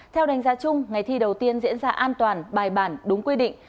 theo đánh giá chung ngày thi đầu tiên diễn ra an toàn bài bản đúng quy định